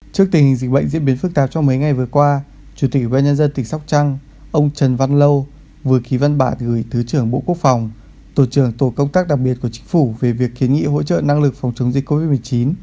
trước tình hình dịch bệnh diễn biến phức tạp trong mấy ngày vừa qua chủ tịch ubnd tỉnh sóc trăng ông trần văn lâu vừa ký văn bản gửi thứ trưởng bộ quốc phòng tổ trưởng tổ công tác đặc biệt của chính phủ về việc khiến nghị hỗ trợ năng lực phòng chống dịch covid một mươi chín